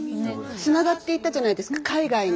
つながっていったじゃないですか海外に。